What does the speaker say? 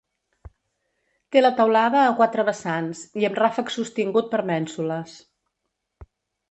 Té la teulada a quatre vessants i amb ràfec sostingut per mènsules.